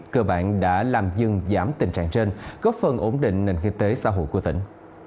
cơ bản đã làm dừng giảm tình trạng trên góp phần ổn định nền kinh tế xã hội của tỉnh